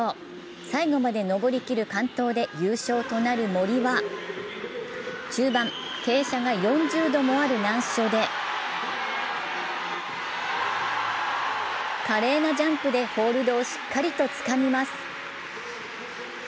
最後まで登り切る完登で優勝となる森は中盤、傾斜が４０度もある難所で華麗なジャンプでホールドをしっかりとつかみます。